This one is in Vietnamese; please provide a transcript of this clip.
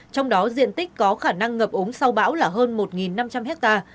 trong đó diện tích có khả năng ngập ống sau bão là hơn một năm trăm linh ha